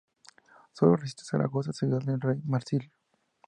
Solo resiste Zaragoza, ciudad del rey Marsilio.